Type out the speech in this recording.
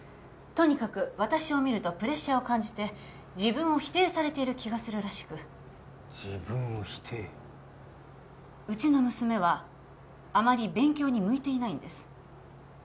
とにかく私を見るとプレッシャーを感じて自分を否定されている気がするらしく自分を否定うちの娘はあまり勉強に向いていないんです